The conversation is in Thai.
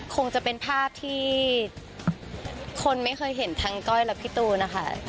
คงจะเป็นภาพที่คนไม่เคยเห็นทั้งก้อยและพี่ตูนนะคะ